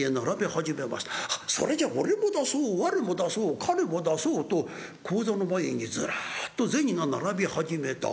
あっそれじゃ俺も出そう我も出そう彼も出そうと高座の前にずらっと銭が並び始めた。